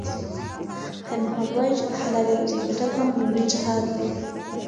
خیر محمد وایي چې د حلالې روزۍ ګټل هم یو لوی جهاد دی.